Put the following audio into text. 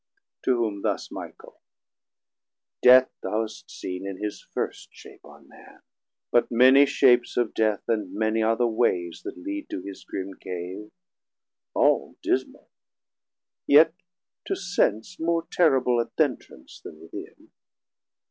To whom thus Michael. Death thou hast seen In his first shape on man; but many shapes Of Death, and many are the wayes that lead To his grim Cave, all dismal; yet to sense More terrible at th' entrance then within.